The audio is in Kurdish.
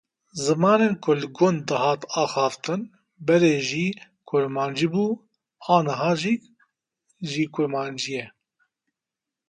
Zimanên ku li gund dihat axaftin berê jî Kurmancî bû aniha jî Kurmancî ye.